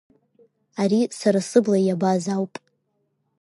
Ари сара сыбла иабаз ауп.